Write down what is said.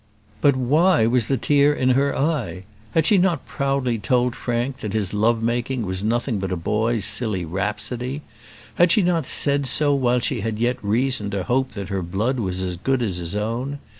But why was the tear in her eye? Had she not proudly told Frank that his love making was nothing but a boy's silly rhapsody? Had she not said so while she had yet reason to hope that her blood was as good as his own?